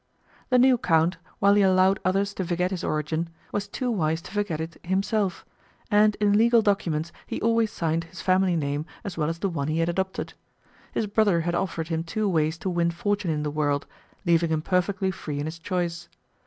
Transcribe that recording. The new count, while he allowed others to forget his origin, was too wise to forget it himself, and in legal documents he always signed his family name as well as the one he had adopted. His brother had offered him two ways to win fortune in the world, leaving him perfectly free in his choice.